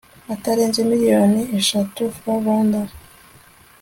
atarenze miliyoni eshatu frw